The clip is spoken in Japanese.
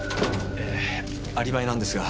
ええアリバイなんですが。